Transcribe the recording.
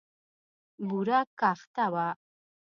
بوره کاخته وه.